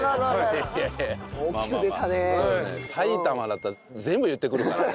埼玉だったら全部言ってくるからね。